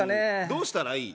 どうしたらいい？